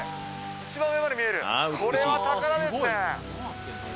一番上まで見える、これは宝ですね。